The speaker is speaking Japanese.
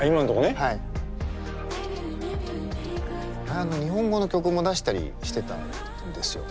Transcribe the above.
前日本語の曲も出したりしてたんですよ。